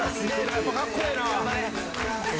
やっぱカッコええな。